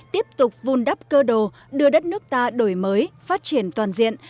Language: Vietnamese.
tiếp tục vun đắp cơ đồ đưa đất nước ta đổi mới phát triển toàn diện